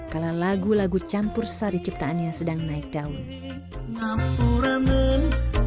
kala lagu lagu campur sari ciptaannya sedang naik daun